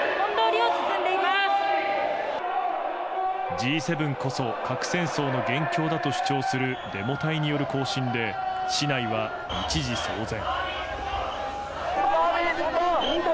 Ｇ７こそ核戦争の元凶だと主張するデモ隊による行進で市内は一時、騒然。